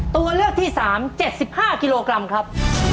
ตัวเลือกที่๓๗๕กิโลกรัมครับ